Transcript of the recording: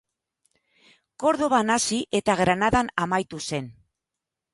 Kordoban hasi eta Granadan amaitu zen.